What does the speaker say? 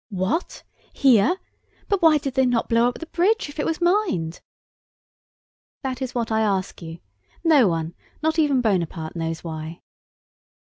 "What? Here? But why did they not blow up the bridge, if it was mined?" "That is what I ask you. No one, not even Bonaparte, knows why."